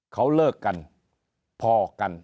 เขาเลิกกันพ่อกัน